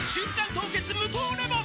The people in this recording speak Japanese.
凍結無糖レモン」